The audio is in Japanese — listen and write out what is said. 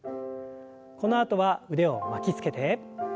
このあとは腕を巻きつけて。